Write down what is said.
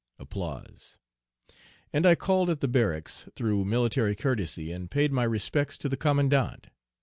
And I called at the barracks, through military courtesy, and paid my respects to the commandant.